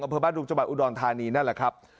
อ๋าเฉพาะบ้านดูงจวัตรอุดรณ์ธานีนั่นแหละครับ